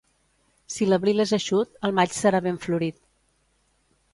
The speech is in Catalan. Si l'abril és eixut, el maig serà ben florit.